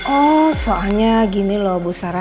oh soalnya gini loh bu sarah